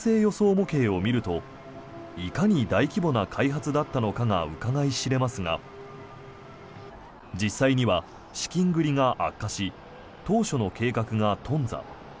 模型を見るといかに大規模な開発だったのかがうかがい知れますが実際には、資金繰りが悪化し当初の計画が頓挫。